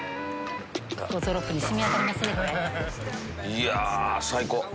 いや最高！